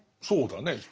そうだね。